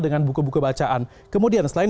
dengan buku buku bacaan kemudian selain